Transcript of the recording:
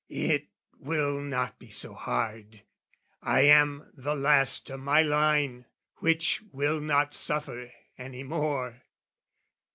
"It will not be so hard. I am the last "O' my line which will not suffer any more.